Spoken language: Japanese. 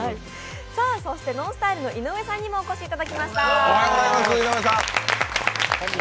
ＮＯＮＳＴＹＬＥの井上さんにもお越しいただきました。